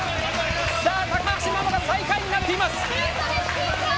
高橋ママが最下位になっています。